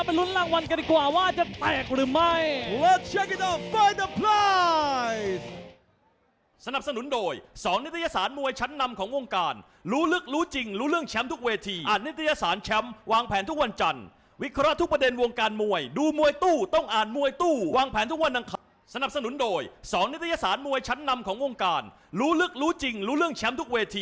เอาละครับเราไปรุ้นรางวัลกันดีกว่าว่าจะแตกหรือไม่